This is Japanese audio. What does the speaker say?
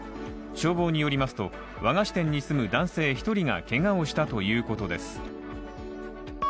消防によりますと和菓子店に住む男性１人がけがをしたということです。